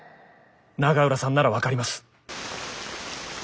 永浦さんなら分かります！